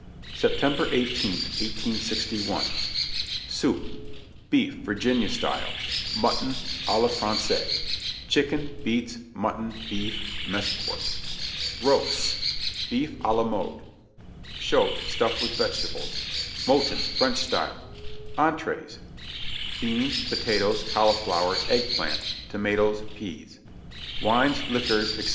September i8th, 1861. SOUP Beef, Virginia Style Mutton, a la Francais Chicken Beets Mutton Beef Mess Pork ROASTS Beef, a la Mode Shoat, Stuffed with Vegetables Mouton (French Style) ENTREES Beans Potatoes Cauliflower Egg Plant Tomatoes Peas WINES, LIQUORS, &c.